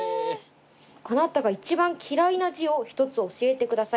「あなたが一番嫌いな字をひとつ教えてください。